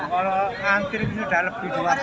kalau ngantri sudah lebih dua bulan